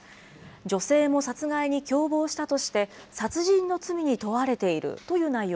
女性も殺害に共謀したとして、殺人の罪に問われているという内容